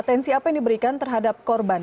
tensi apa yang diberikan terhadap korban